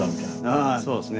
ああそうですね。